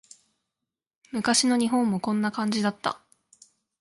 昔の日本もこんな感じだった